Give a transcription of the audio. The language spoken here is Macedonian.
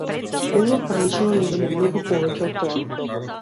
Ова првично не вели многу повеќе од тоа.